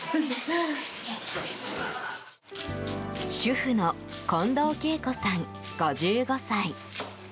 主婦の近藤桂子さん、５５歳。